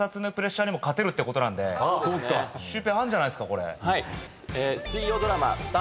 てことなんでシュウペイあるんじゃないですかこれ。